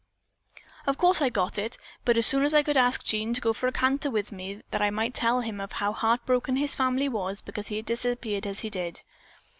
"Of course I got it, but as soon as I could I asked Jean to go for a canter with me that I might tell him how heart broken his family was because he had disappeared as he did."